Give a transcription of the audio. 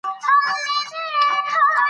د ننګرهار پوهنې رياست ښه نوښت کړی دی.